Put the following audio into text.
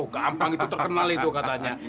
gampang itu terkenal itu katanya